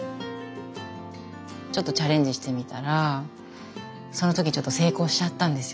ちょっとチャレンジしてみたらその時成功しちゃったんですよ